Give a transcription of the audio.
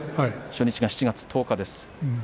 初日は７月１０日です。